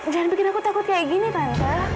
jangan bikin aku takut kayak gini kan